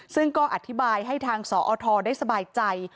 ซึ่งก็อธิบายให้ทางสอทได้สบายใจ